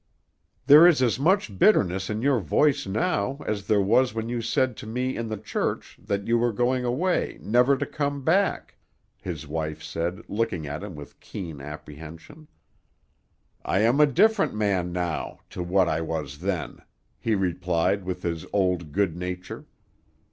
"There is as much bitterness in your voice now as there was when you said to me in the church that you were going away never to come back," his wife said, looking at him with keen apprehension. "I am a different man now to what I was then," he replied, with his old good nature.